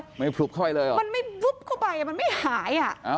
ไม่ผลุบเข้าไปเลยเหรอมันไม่บุ๊บเข้าไปมันไม่หายอ่ะ